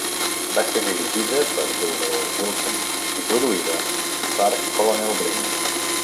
Va ser dirigida per Dougal Wilson i produïda per Colonel Blimp.